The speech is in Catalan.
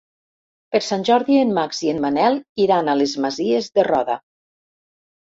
Per Sant Jordi en Max i en Manel iran a les Masies de Roda.